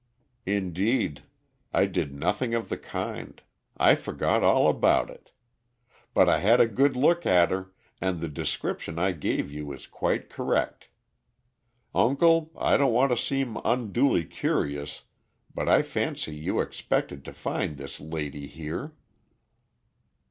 "Indeed, I did nothing of the kind. I forgot all about it. But I had a good look at her, and the description I gave you is quite correct. Uncle, I don't want to seem unduly curious, but I fancy you expected to find this lady here."